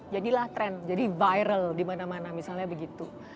jadilah tren jadi viral di mana mana misalnya begitu